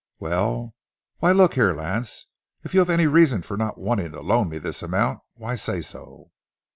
"Well—why—Look here, Lance. If you have any reason for not wanting to loan me this amount, why, say so."